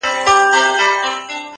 o اوس چي د مځكي كرې اور اخيستـــــى،